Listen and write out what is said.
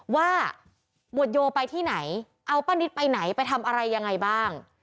หมวดโยไปที่ไหนเอาป้านิตไปไหนไปทำอะไรยังไงบ้าง